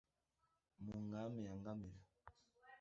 mu nkambi ya Nkamira